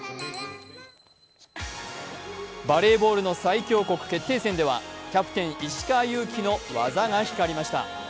バレーボールの最強国決定戦ではキャプテン・石川祐希の技が光りました。